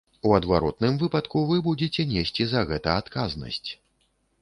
У адваротным выпадку вы будзеце несці за гэта адказнасць.